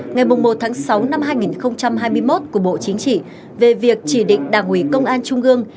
ngày một sáu hai nghìn hai mươi một của bộ chính trị về việc chỉ định đảng ủy công an trung ương